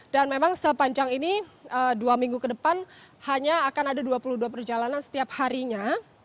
dan memang sepanjang ini dua minggu ke depan hanya akan ada dua puluh dua perjalanan setiap harinya